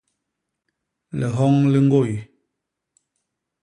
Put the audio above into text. Lihoñ li ñgôy.